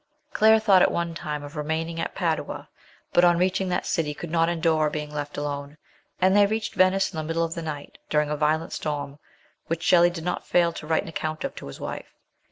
Claire thought at one time of remaining at Padua, but on reaching that city could not endure being left alone, and they reached Venice in the middle of the night, during a violent storm, which Shelley did not fail to write an account of to his wife.